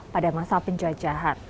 pada masa penjajahan